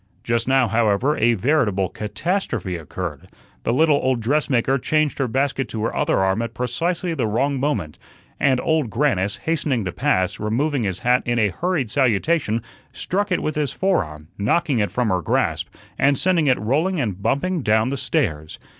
Just now, however, a veritable catastrophe occurred. The little old dressmaker changed her basket to her other arm at precisely the wrong moment, and Old Grannis, hastening to pass, removing his hat in a hurried salutation, struck it with his fore arm, knocking it from her grasp, and sending it rolling and bumping down the stairs.